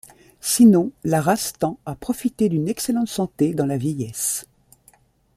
Sinon, la race tend à profiter d'une excellente santé dans la vieillesse.